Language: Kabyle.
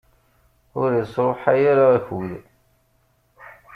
Ur isṛuḥay ara akud.